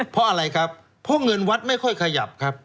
เพราะอะไรครับเพราะเงินวัดไม่ค่อยขยับครับ